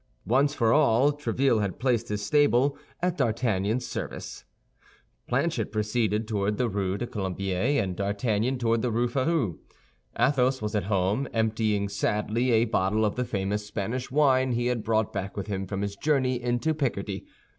Once for all, Tréville had placed his stable at D'Artagnan's service. Planchet proceeded toward the Rue du Colombier, and D'Artagnan toward the Rue Férou. Athos was at home, emptying sadly a bottle of the famous Spanish wine he had brought back with him from his journey into Picardy.